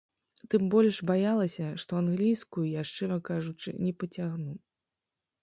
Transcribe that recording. Тым больш, баялася, што англійскую я, шчыра кажучы, не пацягну.